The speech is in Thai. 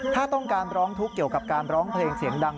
ถ้าต้องการร้องทุกข์เกี่ยวกับการร้องเพลงเสียงดัง